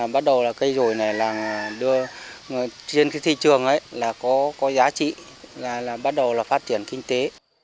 bắt đầu cây rổi này trên thị trường có giá trị bắt đầu phát triển kinh tế